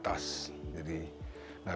nah ini adalah atas